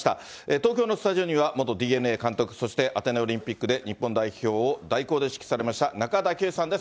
東京のスタジオには、元ＤｅＮＡ監督、そしてアテネオリンピックで日本代表を代行で指揮されました、中畑清さんです。